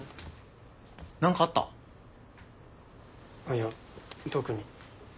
いや特に。